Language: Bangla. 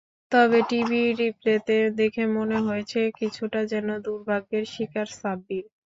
তবে টিভি রিপ্লেতে দেখে মনে হয়েছে কিছুটা যেন দুর্ভাগ্যের শিকার সাব্বির।